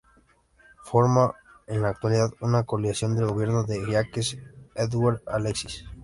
Forma en la actualidad una coalición con el gobierno de Jacques-Édouard Alexis.